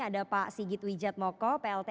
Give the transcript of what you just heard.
ada pak sigit wijat moko plt